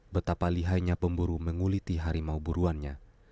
betapa lihainya pemburu menguliti harimau buruannya